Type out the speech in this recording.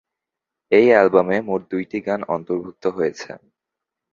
এই অ্যালবামে মোট দুইটি গান অন্তর্ভুক্ত হয়েছে।